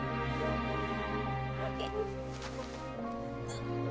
あっ。